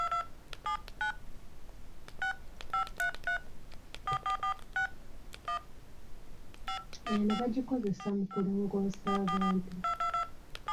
Eno bagikozesa mu kulongoosa abantu.